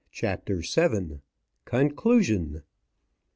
CHAPTER XVII. CONCLUSION.